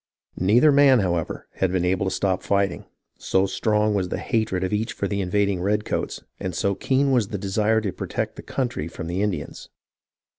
Neither man, however, had been able to stop fighting, so strong was the hatred of each for the invading redcoats, and so keen was the desire to protect the country from the Indians.